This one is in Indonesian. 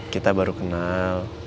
kita baru kenal